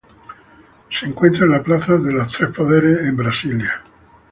Se encuentra en la Plaza de los Tres Poderes en Brasilia.